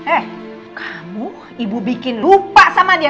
eh kamu ibu bikin lupa sama dia